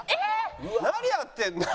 何やってんの？